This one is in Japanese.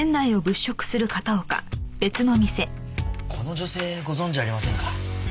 この女性ご存じありませんか？